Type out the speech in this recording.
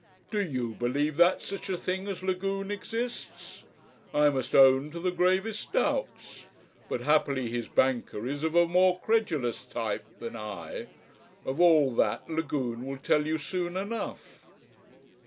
Do you believe that such a thing as Lagune exists? I must own to the gravest doubts. But happily his banker is of a more credulous type than I.... Of all that Lagune will tell you soon enough."